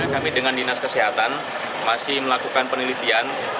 kami dengan dinas kesehatan masih melakukan penelitian